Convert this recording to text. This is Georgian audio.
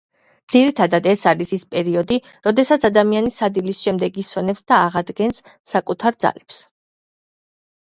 ძირითადად, ეს არის ის პერიოდი, როდესაც ადამიანი სადილის შემდეგ ისვენებს და აღადგენს საკუთარ ძალებს.